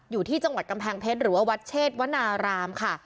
อยู่ที่จังหวัดกำแพงเพชรหรือว่าวัดเชษวนารามค่ะ